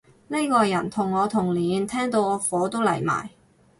呢個人同我同年，聽到我火都嚟埋